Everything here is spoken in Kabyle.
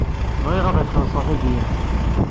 Bɣiɣ ad ak-xellṣeɣ tabyirt.